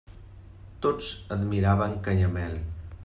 Tots admiraven Canyamel.